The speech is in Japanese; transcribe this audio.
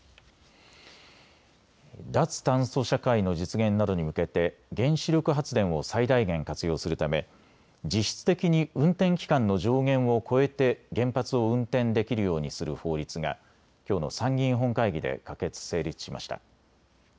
脱炭素社会の実現などに向けて原子力発電を最大限活用するため実質的に運転期間の上限を超えて原発を運転できるようにする法律がきょうの参議院本会議で可決・成立しました。